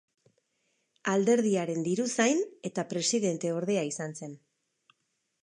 Alderdiaren diruzain eta presidenteordea izan zen.